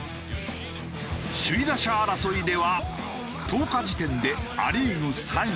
首位打者争いでは１０日時点でア・リーグ３位。